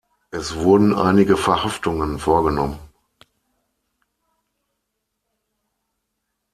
Es wurden einige Verhaftungen vorgenommen.